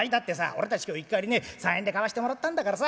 俺たち今日１荷入りね３円で買わしてもらったんだからさ